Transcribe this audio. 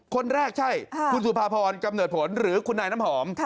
คนแรกใช่คุณสุภาพรกำเนิดผลหรือคุณนายน้ำหอม